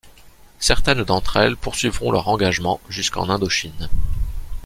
Certaines d'entre elles poursuivront leur engagement jusqu'en Indochine.